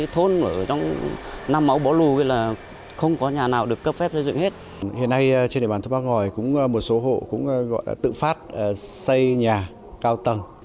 trên địa bàn thu bắc ngòi một số hộ cũng tự phát xây nhà cao tầng